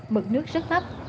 mực nước rất thấp